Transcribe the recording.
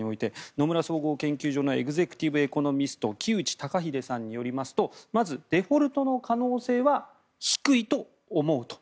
野村総合研究所のエグゼクティブ・エコノミスト木内登英さんによりますとまず、デフォルトの可能性は低いと思うと。